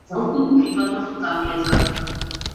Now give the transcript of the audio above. За малку не припаднав од таа глетка.